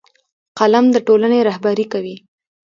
قلم د ټولنې رهبري کوي